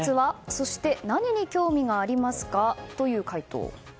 そして何に興味がありますか？という回答。